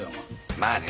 まあね。